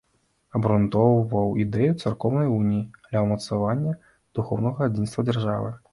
Абгрунтоўваў ідэю царкоўнай уніі для ўмацавання духоўнага адзінства дзяржавы.